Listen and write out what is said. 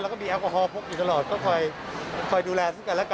แล้วก็มีแอลกอฮอลพกอยู่ตลอดก็คอยดูแลซึ่งกันแล้วกัน